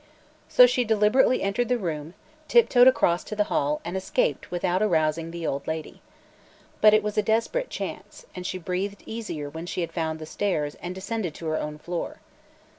So she deliberately entered the room, tiptoed across to the hall and escaped without arousing the old lady. But it was a desperate chance and she breathed easier when she had found the stairs and descended to her own floor.